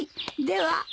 では。